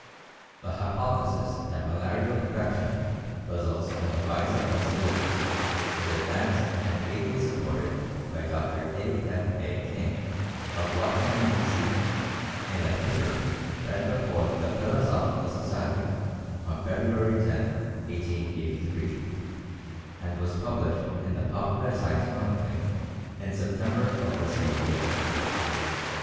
The hypothesis that malarial infection results from the bites of mosquitoes was advanced and ably supported by Dr. A. F. A. King, of Washington, D. C., in a paper read before the Philosophical Society on February 10, 1883, and published in the Popular Science Monthly in September of the same year.